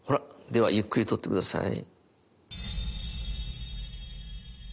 ではゆっくり取って下さい。